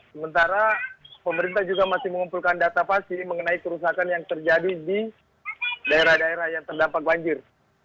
sementara pemerintah juga masih mengumpulkan data pasti mengenai kerusakan yang terjadi di daerah daerah yang terdampak banjir